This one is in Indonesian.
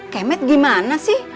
kemet gimana sih